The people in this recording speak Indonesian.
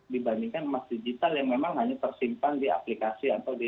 dibandingkan emas digital yang memang hanya tersimpan di aplikasi atau di